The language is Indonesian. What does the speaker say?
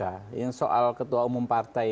ya yang soal ketua umum partai